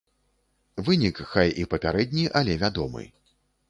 Вынік, хай і папярэдні, але вядомы.